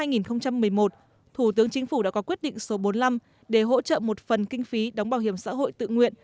năm hai nghìn một mươi một thủ tướng chính phủ đã có quyết định số bốn mươi năm để hỗ trợ một phần kinh phí đóng bảo hiểm xã hội tự nguyện